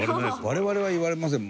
我々は言われません。